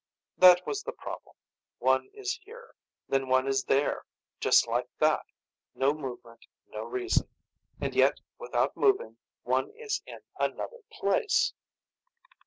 That was the problem. One is here. Then one is there. Just like that, no movement, no reason. And yet, without moving, one is in another place.